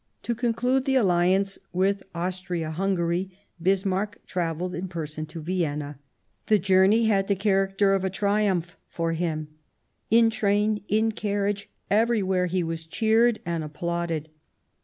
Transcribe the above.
To conclude the Alliance with Austria Hungary Bismarck travelled in person to Vienna. The journey had the character of a triumph for him ; in train, in carriage, everywhere, he was cheered and applauded.